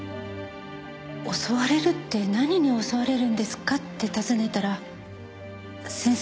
襲われるって何に襲われるんですかって尋ねたら先生